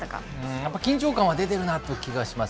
やっぱ緊張感は出てるなという気はします。